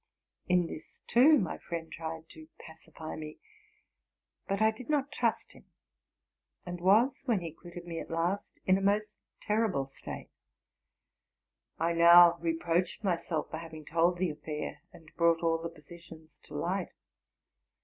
In this, too, my friend tried to pacify me; but I did not trust him, and was, when he quitted me at last, in a most terrible state. I now re proached myself for having told the affair, and brought all the positions to light.